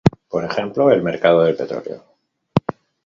Por ejemplo, el mercado del petróleo.